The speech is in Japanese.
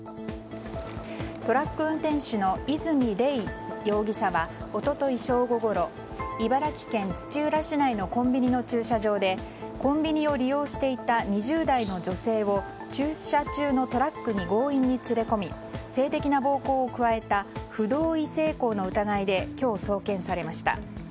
トラック運転手の和泉礼維容疑者は一昨日正午ごろ、茨城県土浦市のコンビニの駐車場でコンビニを利用していた２０代の女性を駐車中のトラックに強引に連れ込み性的な暴行を加えた不同意性行の疑いで今日、送検されました。